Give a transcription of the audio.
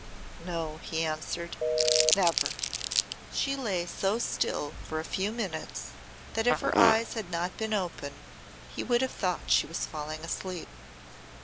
"No," he answered. "Never!" She lay so still for a few minutes that if her eyes had not been open he would have thought she was falling asleep.